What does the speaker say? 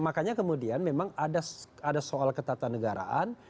makanya kemudian memang ada soal ketatanegaraan